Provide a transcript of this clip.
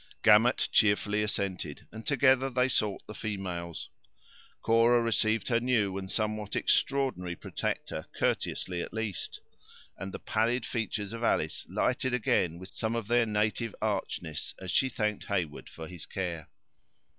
Gamut cheerfully assented, and together they sought the females. Cora received her new and somewhat extraordinary protector courteously, at least; and even the pallid features of Alice lighted again with some of their native archness as she thanked Heyward for his care.